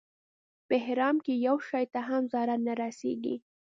په احرام کې یو شي ته هم ضرر نه رسېږي.